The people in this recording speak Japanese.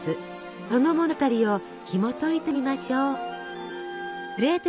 その物語をひもといてみましょう。